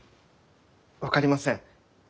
分かりません。